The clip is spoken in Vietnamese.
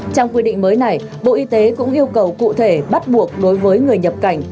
trong quy định mới này bộ y tế cũng yêu cầu cụ thể bắt buộc đối với người nhập cảnh